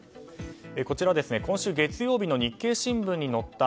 こちら今週月曜日の日経新聞に載った